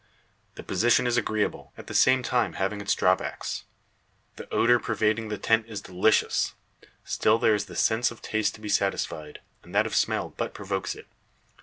The position is agreeable, at the same time having its drawbacks. The odour pervading the tent is delicious; still there is the sense of taste to be satisfied, and that of smell but provokes it.